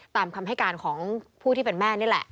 ตามคำให้การของผู้ที่เป็นแม่นี่แหละ